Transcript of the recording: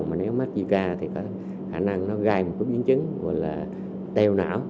mà nếu mất zika thì có khả năng nó gai một cái biến chứng gọi là teo não